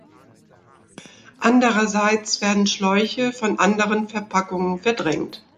Andererseits werden Schläuche von anderen Verpackungen verdrängt.